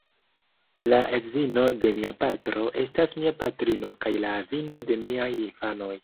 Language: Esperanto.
La edzino de mia patro estas mia patrino kaj la avino de miaj infanoj.